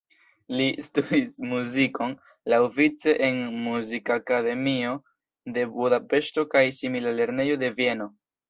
Li studis muzikon laŭvice en Muzikakademio de Budapeŝto kaj simila lernejo de Vieno.